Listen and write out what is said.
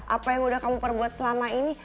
apa yang sudah kamu perbuat selama ini